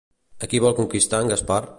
A qui vol conquistar en Gaspar?